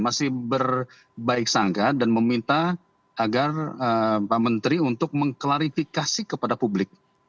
masih berbaik sangka dan meminta agar pak menteri untuk mengklarifikasi kepada publik